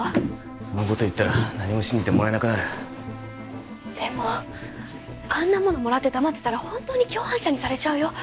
そんなこと言ったら何も信じてもらえなくなるでもあんなものもらって黙ってたらホントに共犯者にされちゃうよ